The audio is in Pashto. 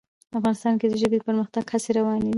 افغانستان کې د ژبې د پرمختګ هڅې روانې دي.